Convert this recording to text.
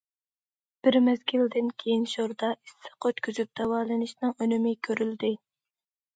بىر مەزگىلدىن كېيىن شوردا ئىسسىق ئۆتكۈزۈپ داۋالىنىشنىڭ ئۈنۈمى كۆرۈلدى.